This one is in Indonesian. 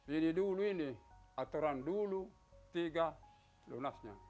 ini dulu ini aturan dulu tiga lunasnya